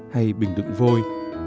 hay bình đựng vôi